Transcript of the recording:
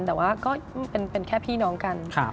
แต่ว่าก็เป็นแค่พี่น้องกัน